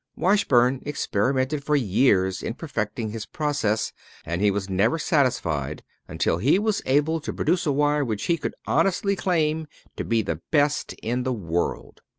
Washburn experimented for years in perfecting his process, and he was never satisfied until he was able to produce a wire which he could honestly claim to be the best in the world.